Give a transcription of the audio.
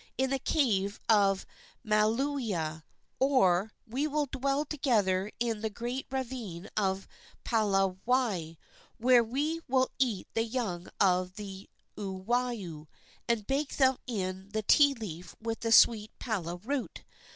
in the cave of Malauea. Or we will dwell together in the great ravine of Palawai, where we will eat the young of the uwau, and bake them in the ti leaf with the sweet pala root.